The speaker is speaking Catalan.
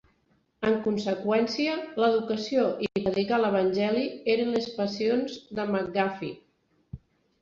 En conseqüència, l'educació i predicar l'Evangeli eren les passions de McGuffey.